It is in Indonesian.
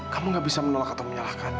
kamu gak bisa menolak atau menyalahkan